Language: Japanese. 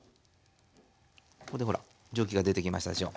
ここでほら蒸気が出てきましたでしょ。